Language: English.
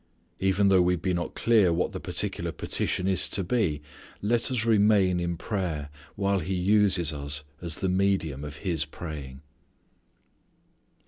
Even though we be not clear what the particular petition is to be let us remain in prayer while He uses us as the medium of His praying.